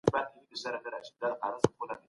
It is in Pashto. د احمد شاه ابدالي مقبره چیرته جوړه سوه؟